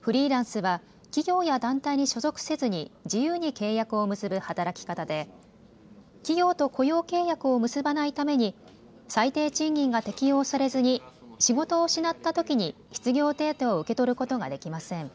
フリーランスは、企業や団体に所属せずに自由に契約を結ぶ働き方で企業と雇用契約を結ばないために最低賃金が適用されずに仕事を失ったときに失業手当を受け取ることができません。